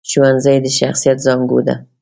ښوونځی د شخصیت زانګو ده